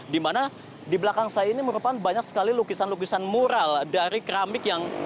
dimana di belakang saya ini merupakan banyak sekali lukisan lukisan mural dari keramik yang